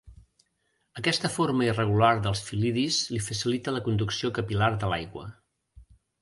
Aquesta forma irregular dels fil·lidis li facilita la conducció capil·lar de l'aigua.